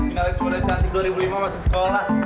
pinalis pinalis cantik dua ribu lima masuk sekolah